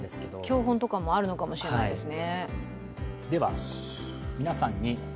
教本とかもあるのかもしれないですね。